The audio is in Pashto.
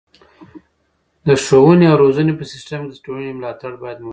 د ښوونې او روزنې په سیستم کې د ټولنې ملاتړ باید موجود وي.